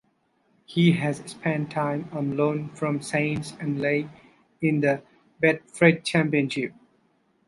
He has spent time on loan from Saints at Leigh in the Betfred Championship.